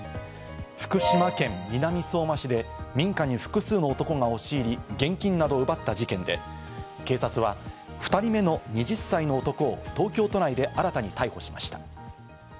福島県南相馬市で民家に複数の男が押し入り、現金などを奪った事件で、警察は２人目の２０歳の男を東京都内で新たに逮捕しました。